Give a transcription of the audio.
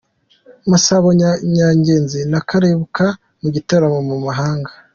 Masabo Nyangezi na kaberuka mu gitaramo mu mahanga